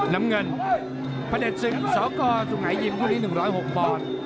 น้ำเงินพระเด็จศึกสกสุงหายิมคู่นี้๑๐๖ปอนด์